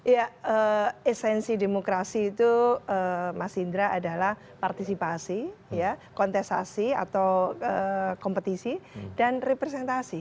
ya esensi demokrasi itu mas indra adalah partisipasi kontestasi atau kompetisi dan representasi